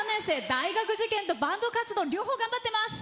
大学受験とバンド活動両方、頑張っています。